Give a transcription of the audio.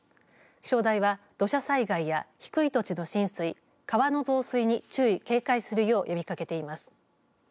気象台は土砂災害や低い土地の浸水川の増水に注意、警戒するよう呼びかけています。